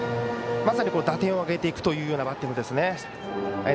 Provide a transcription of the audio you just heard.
まさに打点を挙げていくようなバッティングですね。